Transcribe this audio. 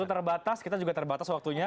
terbatas kita juga terbatas waktunya